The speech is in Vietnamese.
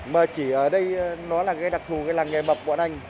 mà chỉ ở đây nó là cái đặc thù cái làng nghề mập của bọn anh